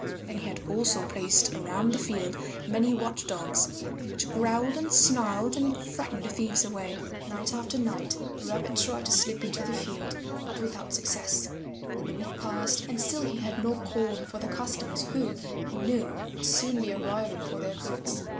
And he had also placed around the field many watch dogs which growled and snarled and frightened thieves away. Night after night Rabbit tried to slip into the field, but without success, and the week passed and still he had no corn for the customers who, he knew, would soon be arriving for their goods.